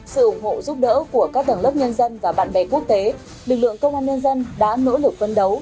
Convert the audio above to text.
sự ủng hộ giúp đỡ của các tầng lớp nhân dân và bạn bè quốc tế lực lượng công an nhân dân đã nỗ lực phấn đấu